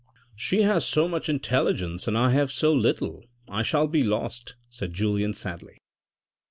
"" She has so much intelligence and I have so little, I shall be lost," said Julien sadly.